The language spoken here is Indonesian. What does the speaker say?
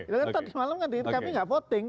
tadi malam kan dikira kami nggak voting